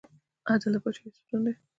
عدل د پاچاهۍ ستون دی